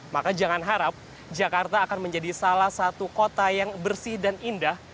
maka jangan harap jakarta akan menjadi salah satu kota yang bersih dan indah